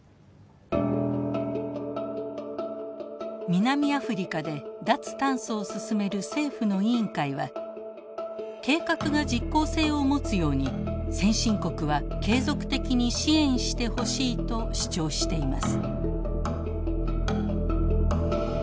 南アフリカで脱炭素を進める政府の委員会は計画が実効性を持つように先進国は継続的に支援してほしいと主張しています。